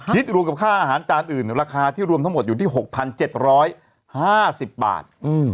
รวมกับค่าอาหารจานอื่นราคาที่รวมทั้งหมดอยู่ที่๖๗๕๐บาท